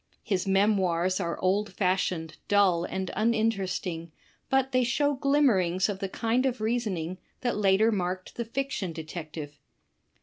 His memoirs are old fashioned, dull and uninteresting, but they show glimmer ings of the kind of reasoning that later marked the Fiction Detective.